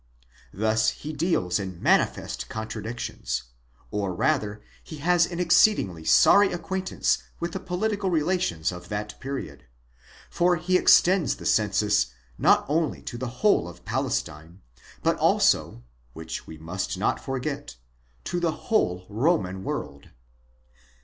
Thus he deals in manifest contradictions; or rather he has an exceedingly sorry acquaintance with the political relations of that period ; for he extends the census not only to the whole of Palestine, but also (which we must not forget) to the whole Roman world.